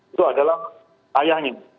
itu adalah ayahnya